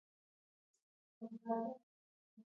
دوی یوې عقلاني او عقلایي هوکړې ته رسیږي.